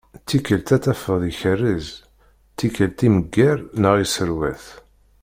Tikkelt ad tafeḍ ikerrez, tikkelt imegger neɣ isserwat.